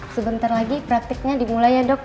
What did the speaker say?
sebentar lagi praktiknya dimulai ya dok